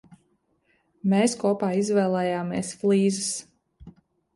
Mēs kopā izvēlējāmies flīzes.